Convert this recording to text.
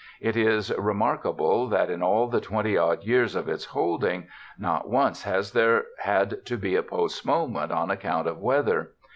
It is remark able that, in all the twenty odd years of its holding, not once has there had to be a postponement on ac count of weather.